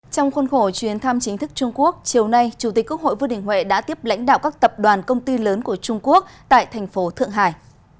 trong khuôn khổ chuyến thăm chính thức trung quốc chiều nay chủ tịch quốc hội vương đình huệ đã tiếp lãnh đạo các tập đoàn công ty lớn của trung quốc tại thành phố thượng hải